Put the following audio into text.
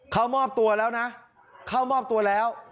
เขามอบตัวแล้วนะเข้ามอบตัวแล้ว